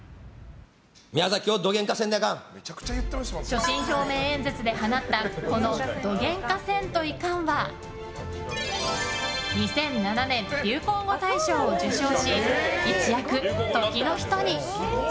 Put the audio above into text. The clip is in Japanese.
所信表明演説で放ったこの、どげんかせんといかんは２００７年流行語大賞受賞し一躍、時の人に！